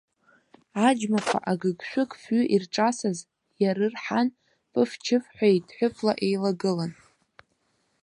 Аџьмақәа агыгшәыг фҩы ирҿасыз иарырҳан, ԥыф-чыфҳәа еидҳәыԥла еилагылан.